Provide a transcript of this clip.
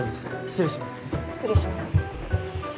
失礼します